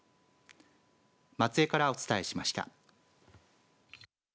松江からお伝えしました。